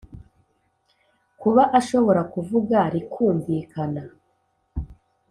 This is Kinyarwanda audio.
kuba ashobora kuvuga rikumvikana.